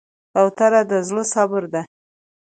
کوتره د زړه صبر ده.